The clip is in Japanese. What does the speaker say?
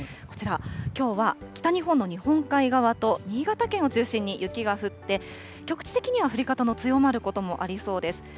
こちら、きょうは北日本の日本海側と新潟県を中心に雪が降って、局地的には降り方の強まることもありそうです。